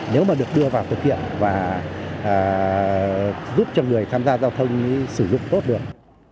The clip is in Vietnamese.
nếu mà được đưa vào thực hiện và giúp cho người tham gia giao thông sử dụng tốt được